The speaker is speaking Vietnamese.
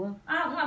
à cũng làm được